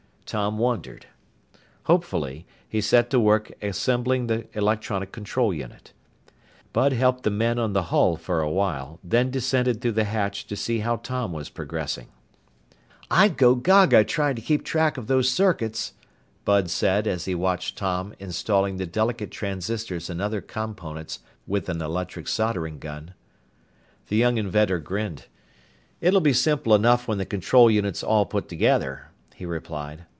Tom wondered. Hopefully, he set to work assembling the electronic control unit. Bud helped the men on the hull for a while, then descended through the hatch to see how Tom was progressing. [Illustration: Would his experiment succeed? Tom wondered] "I'd go gaga trying to keep track of those circuits," Bud said, as he watched Tom installing the delicate transistors and other components with an electric soldering gun. The young inventor grinned. "It'll be simple enough when the control unit's all put together," he replied.